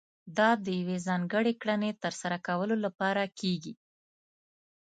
دا د يوې ځانګړې کړنې ترسره کولو لپاره کېږي.